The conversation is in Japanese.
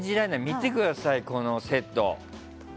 見てください、このセット。